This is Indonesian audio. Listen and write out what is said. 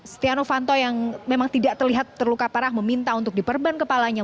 setia novanto yang memang tidak terlihat terluka parah meminta untuk diperban kepalanya